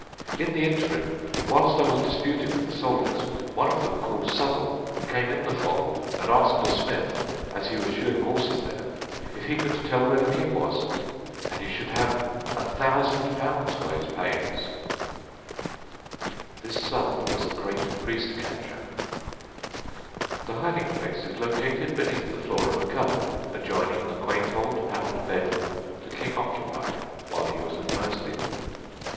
In the interim, whilst I was disputing with the soldiers, one of them called Southall came in the ffould and asked a smith, as hee was shooing horses there, if he could tell where the King was, and he should have "a thousand pounds for his payns...." This Southall was a great priest catcher. [Illustration: "PRIEST'S HOLE," MOSELEY HALL, STAFFORDSHIRE] The hiding place is located beneath the floor of a cupboard, adjoining the quaint old panelled bedroom the King occupied while he was at Moseley.